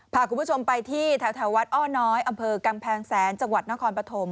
พาคุณผู้ชมไปที่แถววัดอ้อน้อยอำเภอกำแพงแสนจังหวัดนครปฐม